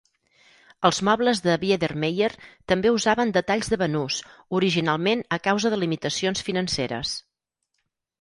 Els mobles de Biedermeier també usaven detalls de banús, originalment a causa de limitacions financeres.